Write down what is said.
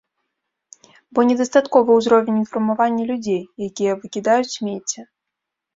Бо недастатковы ўзровень інфармавання людзей, якія выкідаюць смецце.